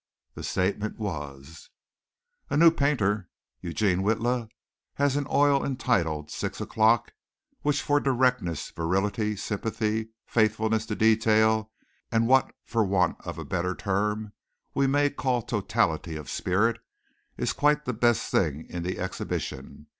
The statement was: "A new painter, Eugene Witla, has an oil entitled 'Six O'clock' which for directness, virility, sympathy, faithfulness to detail and what for want of a better term we may call totality of spirit, is quite the best thing in the exhibition.